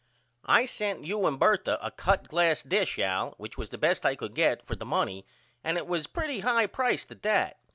I sent you and Bertha a cut glass dish Al which was the best I could get for the money and it was pretty high pricet at that.